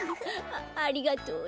あありがとう。